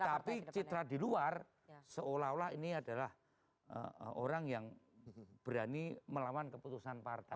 tetapi citra di luar seolah olah ini adalah orang yang berani melawan keputusan partai